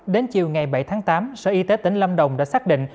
đến chiều ngày bảy tháng tám sở y tế tỉnh lâm đồng đã xác định